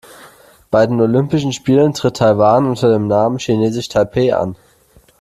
Bei den Olympischen Spielen tritt Taiwan unter dem Namen „Chinesisch Taipeh“ an.